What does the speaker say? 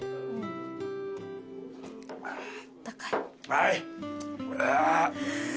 はい。